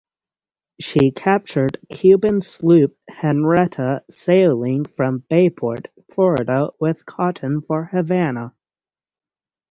She captured Cuban sloop "Henretta" sailing from Bayport, Florida, with cotton for Havana.